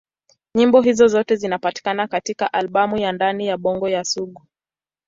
Nyimbo hizo zote zinapatikana katika albamu ya Ndani ya Bongo ya Sugu.